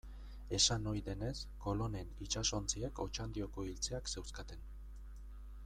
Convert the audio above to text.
Esan ohi denez, Kolonen itsasontziek Otxandioko iltzeak zeuzkaten.